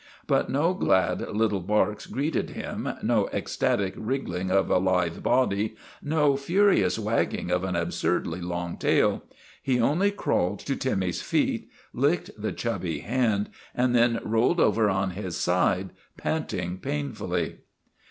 But no glad little bark greeted him, no ecstatic wriggling of a lithe body, no furious wag ging of an absurdly long tail. He only crawled to THE REGENERATION OF TIMMY 205 Timmy's feet, licked the chubby hand, and then rolled over on his side, panting painfully.